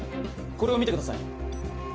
これを見てください